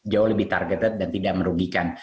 jauh lebih targeted dan tidak merugikan